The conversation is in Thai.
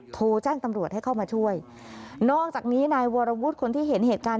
โทรแจ้งตำรวจให้เข้ามาช่วยนอกจากนี้นายวรวุฒิคนที่เห็นเหตุการณ์